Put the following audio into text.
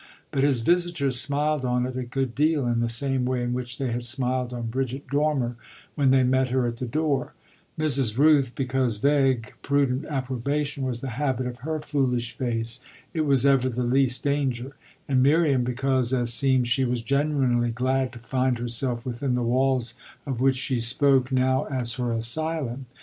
But his visitors smiled on it a good deal in the same way in which they had smiled on Bridget Dormer when they met her at the door: Mrs. Rooth because vague, prudent approbation was the habit of her foolish face it was ever the least danger; and Miriam because, as seemed, she was genuinely glad to find herself within the walls of which she spoke now as her asylum.